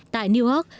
tại new york